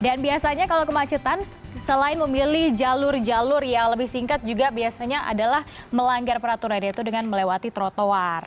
dan biasanya kalau kemacetan selain memilih jalur jalur yang lebih singkat juga biasanya adalah melanggar peraturan itu dengan melewati trotoar